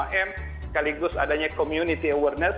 sekaligus adanya community awareness